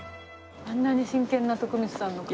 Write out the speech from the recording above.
あんなに真剣な徳光さんの顔。